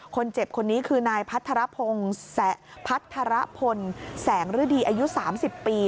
คนเจ็บคนนี้คือนายพัทรพลแสงฤดีอายุ๓๐ปี